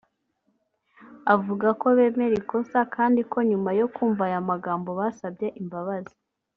avuga ko bemera ikosa kandi ko nyuma yo kumva aya magambo basabye imbabazi